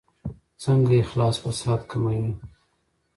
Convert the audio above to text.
څنګه اخلاص فساد کموي؟